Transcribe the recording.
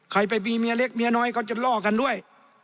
ใครไปมีเมียเล็กเมียน้อยเขาจะล่อกันด้วย